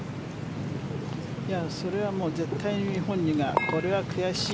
それは絶対に本人がこれは悔しい。